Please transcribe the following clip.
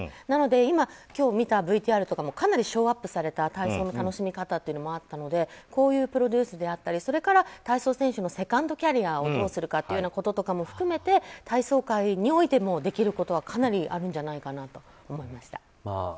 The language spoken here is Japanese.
なので今日見たＶＴＲとかもかなりショーアップされた体操の楽しみ方だったのでこういうプロデュースであったり体操選手のセカンドキャリアをどうするかといったことも含めて体操界においても、できることはかなりあるんじゃないかなと思いました。